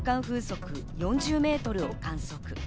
風速４０メートルを観測。